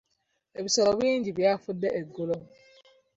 Ebisolo bingi byafudde eggulo.